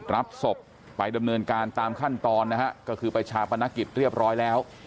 รับศพไปดำเนินการตามขั้นตอนนะฮะก็คือไปชาปนกิจเรียบร้อยแล้ว